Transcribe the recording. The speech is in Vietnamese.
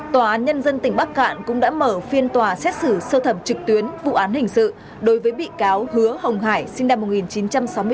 tòa án nhân dân tỉnh bắc cạn cũng đã mở phiên tòa xét xử sơ thẩm trực tuyến vụ án hình sự đối với bị cáo hứa hồng hải sinh năm một nghìn chín trăm sáu mươi tám